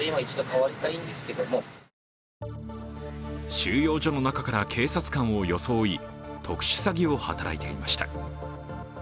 収容所の中から警察官を装い特殊詐欺を働いていました。